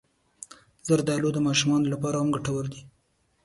زردالو د ماشومانو لپاره هم ګټور دی.